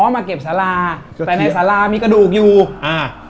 อ๋อมาเก็บสลาด้วยชาวบ้านรับคำสั่งมาว่าอ๋อมาเก็บสลาด้วยชาวบ้านรับคำสั่งมาว่า